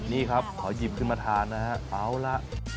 นี่ครับขอหยิบขึ้นมาทานนะฮะเอาล่ะ